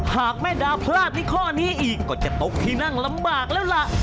หากแม่ดาพลาดในข้อนี้อีกก็จะตกที่นั่งลำบากแล้วล่ะ